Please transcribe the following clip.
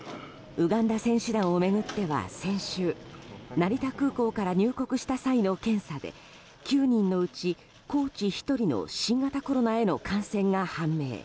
ウガンダ選手団を巡っては先週成田空港から入国した際の検査で９人のうちコーチ１人の新型コロナへの感染が判明。